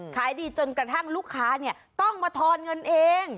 ขายดีจนกระทั่งลูกค้าต้องมาทอนเงินเอง